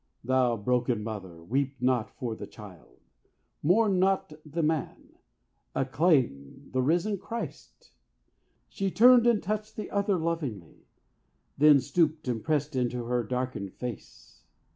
Thou broken mother, weep not for the child, Mourn not the man. Acclaim the risen Christ!" She turned and touched the other lovingly, Then stooped and peered into her darkened face.